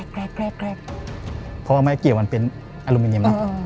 แก๊กแก๊กแก๊กเพราะว่าไม่เกี่ยวมันเป็นอลูมิเนียมแล้วอืม